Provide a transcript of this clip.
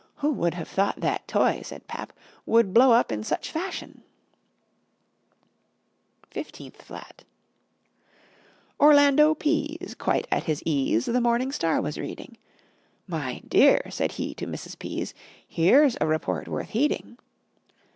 "Who would have thought that toy," said pap, "Would blow up in such fashion!" [Illustration: FOURTEENTH FLAT] FIFTEENTH FLAT Orlando Pease, quite at his ease, The "Morning Star" was reading. "My dear," said he to Mrs. Pease, "Here's a report worth heeding."